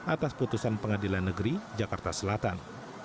atas putusan pengadilan negeri jakarta selatan